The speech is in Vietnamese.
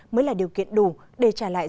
mới là điều kiện đủ để trả lại